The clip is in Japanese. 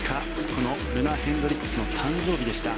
このルナ・ヘンドリックスの誕生日でした。